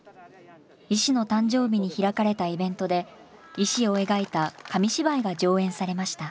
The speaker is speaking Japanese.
石の誕生日に開かれたイベントで石を描いた紙芝居が上演されました。